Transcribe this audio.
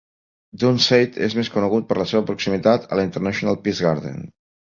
Dunseith és més conegut per la seva proximitat al International Peace Garden.